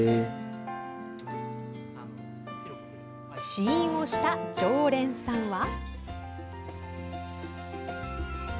試飲をした常連さんは。